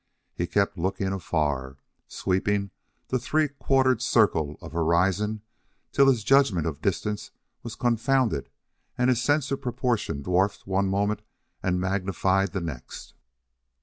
He kept looking afar, sweeping the three quartered circle of horizon till his judgment of distance was confounded and his sense of proportion dwarfed one moment and magnified the next.